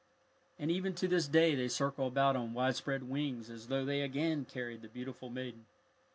And even to this day they circle about on widespread wings as though they again carried the beautiful maiden.